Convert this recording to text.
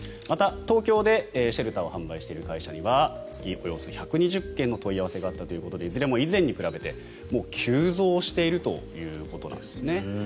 また東京でシェルターを販売している会社には月およそ１２０件の問い合わせがあったということでいずれも以前に比べて急増しているということです。